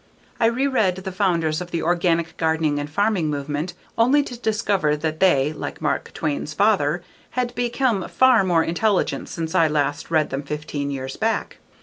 I reread the founders of the organic gardening and farming movement, only to discover that they, like Mark Twain's father, had become far more intelligent since l last read them fifteen years back.